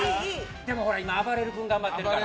でも、今あばれる君が頑張ってるから。